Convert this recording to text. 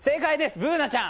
Ｂｏｏｎａちゃん。